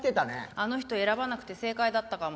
あの人を選ばなくて正解だったかも。